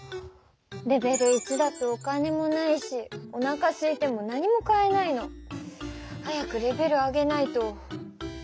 レベル１だとお金もないしおなかすいても何も買えないの。早くレベル上げないと。